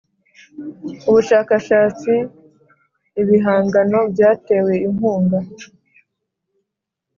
Ubushakashatsi Ibihangano byatewe inkunga